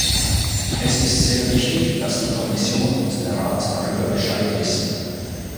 Es ist sehr wichtig, dass die Kommission und der Rat darüber Bescheid wissen.